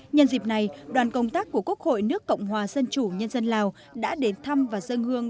nhân dịp này đoàn công tác của quốc hội nước cộng hòa dân chủ nhân dân lào đã đến thăm và dân hương